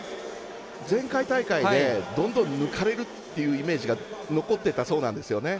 前回大会でどんどん抜かれるっていうイメージが残ってたそうなんですよね。